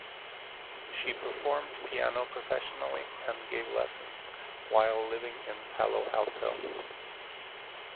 She performed piano professionally and gave lessons while living in Palo Alto.